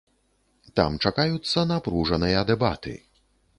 Там чакаюцца напружаныя дэбаты.